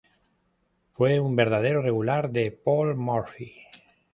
Fue un adversario regular de Paul Morphy.